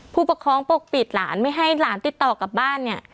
ผู้ปกครองปกปิดหลานไม่ให้หลานติดต่อกลับบ้านเนี่ย